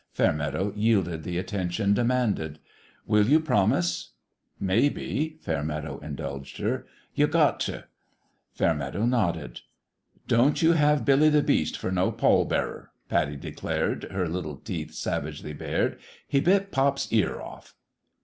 Fairmeadow yielded the attention demanded. " Will you promise ?"" Maybe," Fairmeadow indulged her. Fairmeadow nodded. " Don't you have Billy the Beast for no pall bearer," Pattie declared, her little teeth savagely bared ;" he bit pop's ear off."